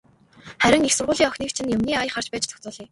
Харин их сургуулийн охиныг чинь юмны ая харж байж зохицуулъя.